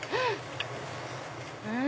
うん！